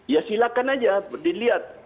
ya silakan saja dilihat